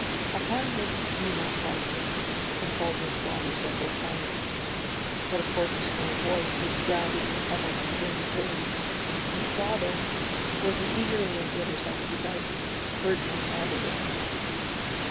Upon this he grew more frightened, and called to his father several times. But of course the small voice was drowned in the tumult of wind and wave, and the father, working eagerly on the other side of the dike, heard no sound of it.